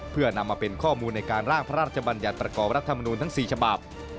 เพื่อนำมาเป็นข้อมูลในการร่างพระราชบัญญัติประกอบรัฐมนูลทั้ง๔ฉบับ